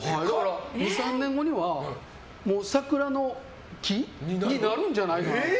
２３年後には桜の木になるんじゃないかなと。